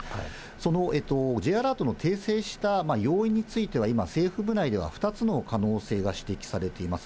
そのＪアラートの訂正した要因については、今、政府部内では２つの可能性が指摘されています。